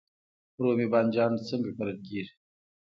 رومی بانجان څنګه کرل کیږي؟